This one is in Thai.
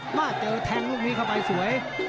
มาเจอแทงลูกนี้เข้าไปสวย